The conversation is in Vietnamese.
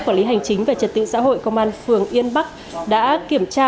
quản lý hành chính về trật tự xã hội công an phường yên bắc đã kiểm tra